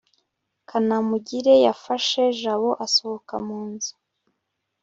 kanamugire yafashe jabo asohoka mu nzu